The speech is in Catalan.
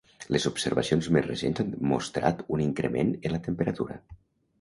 Les observacions més recents han mostrat un increment en la temperatura.